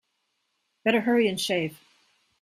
Better hurry and shave.